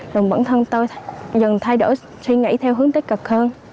rồi bản thân tôi dần thay đổi suy nghĩ theo hướng tích cực hơn